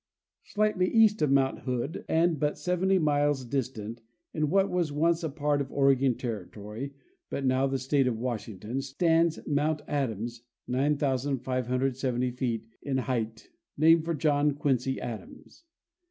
Slghtly east of mount Hood and but 70 miles distant, in what was once a part of Oregon territory, but now the state of Washington, stands mount Adams, 9,570 feet in height, named for John Quincy Adams.